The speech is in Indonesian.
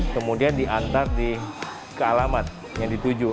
kemudian diantar ke alamat yang dituju